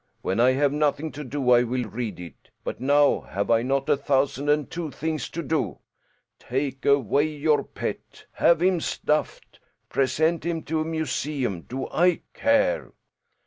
When I have nothing to do I will read it. But now have I not a thousand and two things to do? Take away your pet. Have him stuffed. Present him to a museum. Do I care?"